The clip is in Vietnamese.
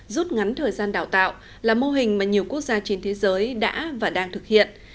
rút ngắn thời gian đào tạo là mô hình mà nhiều quốc gia trên thế giới đã và đang thực hiện